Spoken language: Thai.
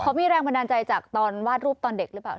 เขามีแรงบันดาลใจจากตอนวาดรูปตอนเด็กหรือเปล่า